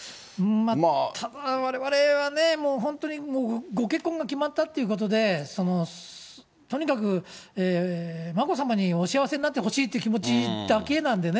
ただ、われわれはね、もう本当にご結婚が決まったっていうことで、とにかく、眞子さまにお幸せになってほしいという気持ちだけなんでね。